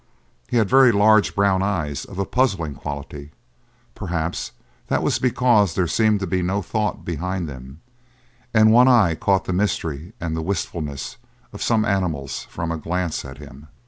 He had very large brown eyes of a puzzling quality; perhaps that was because there seemed to be no thought behind them and one caught the mystery and the wistfulness of some animals from a glance at him.